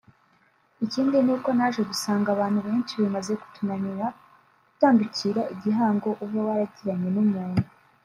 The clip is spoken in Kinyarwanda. Ikindi nuko naje gusanga abantu benshi bimaze kutunanira kudatandukira igihango uba waragiranye n’umuntu